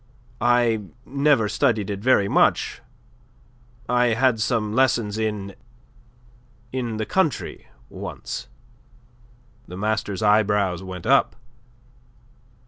"I never studied it very much. I had some lessons in... in the country once." The master's eyebrows went up.